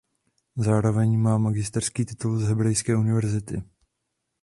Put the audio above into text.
Zároveň má magisterský titul z Hebrejské univerzity.